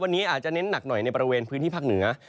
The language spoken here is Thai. วันนี้อาจจะเน้นหนักหน่อยในบริเวณพื้นที่ภาคเหนือ